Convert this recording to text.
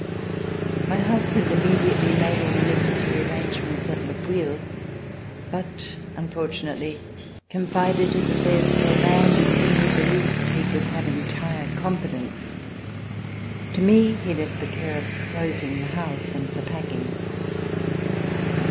My husband immediately made all the necessary arrangements at Le Bouilh, but unfortunately con fided his affairs to a man in whom he believed he could have entire confidence. To me he left the care of closing the house and the packing.